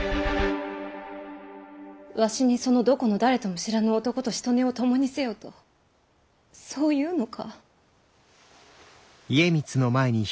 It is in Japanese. わしにそのどこの誰とも知らぬ男としとねを共にせよとそう言うのか？